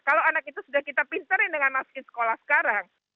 kalau anak itu sudah kita pinterin dengan masukin sekolah sekarang